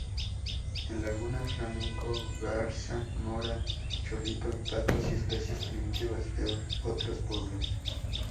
En lagunas:flamenco, garza mora, chorlito y patos y especies primitivas de otros pueblos.